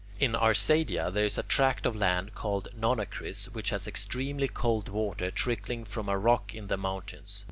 In Arcadia there is a tract of land called Nonacris, which has extremely cold water trickling from a rock in the mountains.